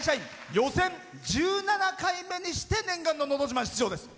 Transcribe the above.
予選１７回目にして念願の「のど自慢」出場です。